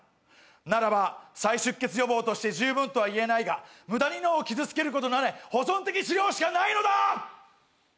ならば再出血予防として十分とは言えないが無駄に脳を傷つけることのない保存的治療しかないのだ！